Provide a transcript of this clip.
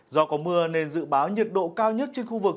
do có mưa nên dự báo nhiệt độ cao nhất trên khu vực